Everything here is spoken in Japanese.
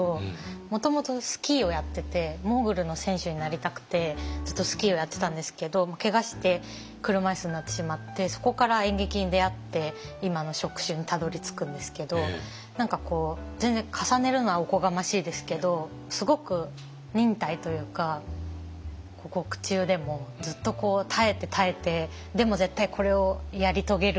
もともとスキーをやっててモーグルの選手になりたくてずっとスキーをやってたんですけどけがして車椅子になってしまってそこから演劇に出会って今の職種にたどりつくんですけど何かこう全然重ねるのはおこがましいですけどすごく忍耐というか獄中でもずっと耐えて耐えてでも絶対これをやり遂げる！